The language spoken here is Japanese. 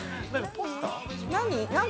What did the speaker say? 何？